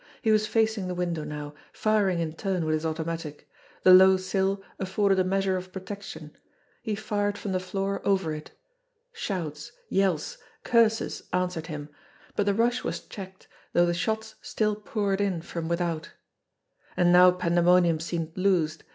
He was facing the window now, firing in turn with his automatic. The low sill afforded a measure of protection. He fired from the floor over it. Shouts, yells, curses answered him ; but the rush was checked, though the shots still poured in from without. And now pandemonium seemed loosed!